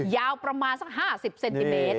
ยาวประมาณสัก๕๐เซนติเมตร